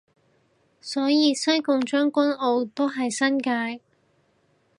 所以西貢將軍澳都係新界